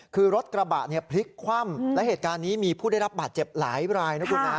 คือรถกระบะพลิกคว่ำและเหตุการณ์นี้มีผู้ได้รับบาดเจ็บหลายราย